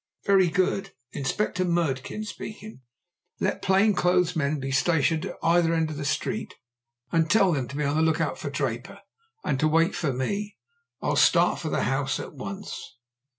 "Very good. Inspector Murdkin speaking. Let plain clothes men be stationed at either end of the street, and tell them to be on the look out for Draper, and to wait for me. I'll start for the house at once."